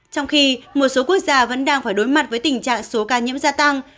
trong khi một số quốc gia vẫn đang phải đối mặt với tình trạng số ca nhiễm gia tăng